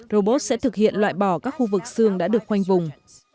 robot sẽ thực hiện loại bỏ các khu vực xương đã được khoanh vùng